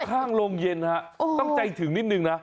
ข้างโรงเย็นฮะต้องใจถึงนิดนึงนะ